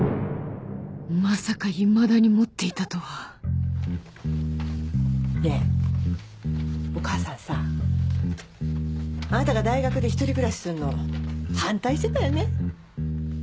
まさかいまだに持っていたとはねぇお母さんさあなたが大学で１人暮らしすんの反対してたよね。